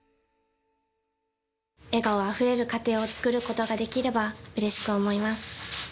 笑顔あふれる家庭を作ることができれば、うれしく思います。